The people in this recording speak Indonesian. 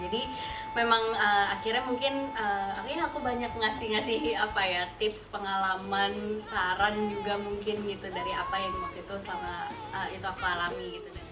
jadi memang akhirnya mungkin aku banyak ngasih ngasih tips pengalaman saran juga mungkin gitu dari apa yang waktu itu aku alami